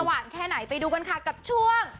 แค่ไหนไปดูกันค่ะกับช่วง